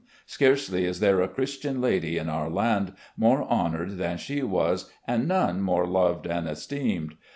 Scarcely is there a Christian lady in om* land more honoured than she was, and none more loved and esteemed.